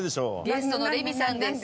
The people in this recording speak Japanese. ゲストのレミさんです。